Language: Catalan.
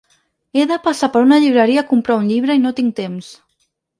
He de passar per una llibreria a comprar un llibre i no tinc temps.